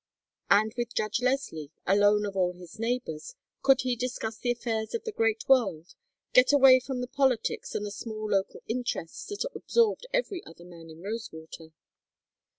And with Judge Leslie, alone of all his neighbors, could he discuss the affairs of the great world, get away from the politics and the small local interests that absorbed every other man in Rosewater.